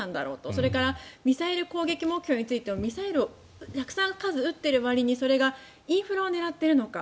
それからミサイル攻撃目標についてもミサイルをたくさん数を撃っているわりにそれがインフラを狙っているのか